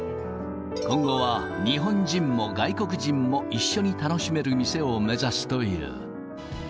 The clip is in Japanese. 今後は、日本人も外国人も一緒に楽しめる店を目指すという。